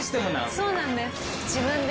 そうなんです。